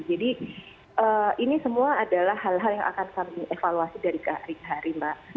jadi ini semua adalah hal hal yang akan kami evaluasi dari hari hari mbak